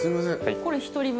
これ１人分？